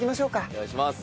お願いします。